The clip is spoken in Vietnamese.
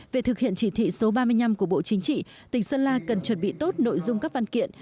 về thực hiện chỉ thị số ba mươi năm của bộ chính trị tỉnh sơn la cần chuẩn bị tốt nội dung các văn kiện